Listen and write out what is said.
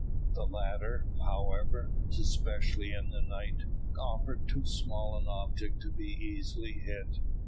The latter, however, especially in the night, offered too small an object to be easily hit.